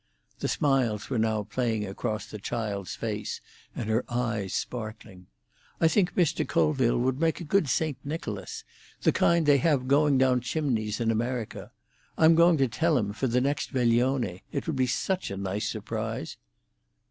The smiles were now playing across the child's face, and her eyes sparkling. "I think Mr. Colville would make a good Saint Nicholas—the kind they have going down chimneys in America. I'm going to tell him, for the next veglione. It would be such a nice surprise."